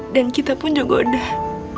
dan kita pun juga udah